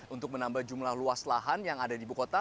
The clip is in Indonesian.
untuk menambah jumlah luas lahan yang ada di bukota